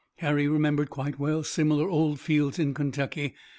Harry remembered quite well similar "old fields" in Kentucky.